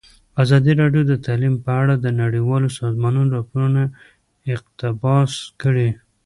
ازادي راډیو د تعلیم په اړه د نړیوالو سازمانونو راپورونه اقتباس کړي.